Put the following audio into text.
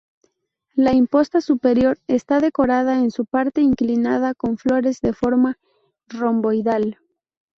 La imposta superior está decorada en su parte inclinada con flores de forma romboidal.